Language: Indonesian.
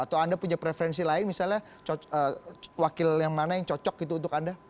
atau anda punya preferensi lain misalnya wakil yang mana yang cocok gitu untuk anda